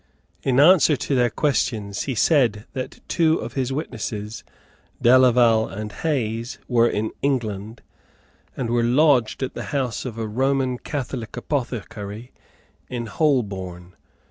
In answer to their questions he said that two of his witnesses, Delaval and Hayes, were in England, and were lodged at the house of a Roman Catholic apothecary in Holborn.